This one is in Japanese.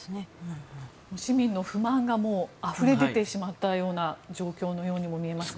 市民の不満があふれ出てしまった状況のように見えますが。